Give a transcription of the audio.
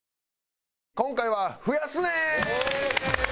今回は「増やすねん」！